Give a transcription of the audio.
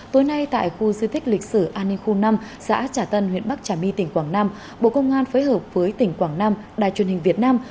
tối nay tại khu di tích lịch sử an ninh khu năm xã trà tân huyện bắc trà my tỉnh quảng nam bộ công an phối hợp với tỉnh quảng nam đài truyền hình việt nam